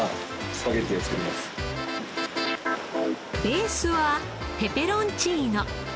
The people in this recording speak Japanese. ベースはペペロンチーノ。